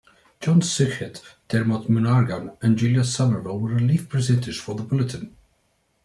John Suchet, Dermot Murnaghan, and Julia Somerville were relief presenters for the bulletin.